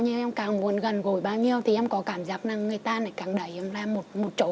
nhiêu em càng muốn gần gối bao nhiêu thì em có cảm giác là người ta này càng đầy em ra một chỗ